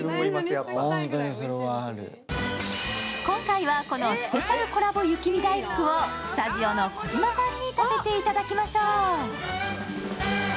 今回は、このスペシャルコラボ雪見だいふくをスタジオの児嶋さんに食べていただきましょう。